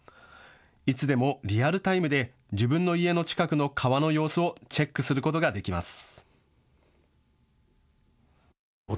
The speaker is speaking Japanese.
いつでもリアルタイムで自分の家の近くの川の様子をチェックすることができます。